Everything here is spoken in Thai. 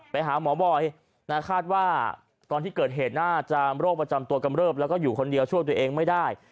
ไปหาหมอบอยคาดว่าตอนที่เกิดเหตุน่าจะโรคประจำตัวกำเริบแล้วก็อยู่คนเดียวช่วยตัวเองไม่ได้